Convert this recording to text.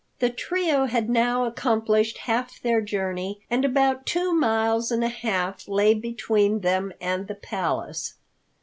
The trio had now accomplished half their journey, and about two miles and a half lay between them and the Palace.